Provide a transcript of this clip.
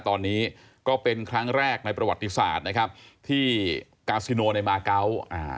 ตอนนี้ก็เป็นครั้งแรกในประวัติศาสตร์นะครับที่กาซิโนในมาเกาะ